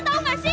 tau gak sih